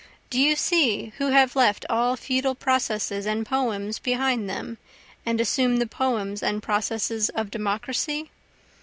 Do you see who have left all feudal processes and poems behind them, and assumed the poems and processes of Democracy?